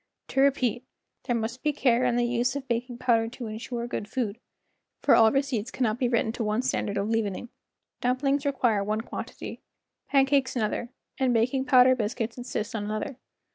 To repeat, there must be care in the use of baking powder to insure good food, for all receipts QUICK BREADS and CAKES 9 cannot be written to one standard of leavening. Dumplings require one quantity, pancakes another, and baking powder biscuits insist on another.